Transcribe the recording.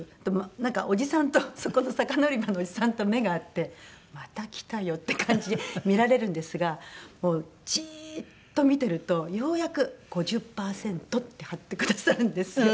なんかおじさんとそこの魚売り場のおじさんと目が合ってまた来たよって感じで見られるんですがもうジーッと見てるとようやく「５０パーセント」って貼ってくださるんですよ。